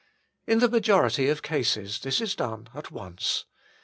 In the majority of cases this is done at once.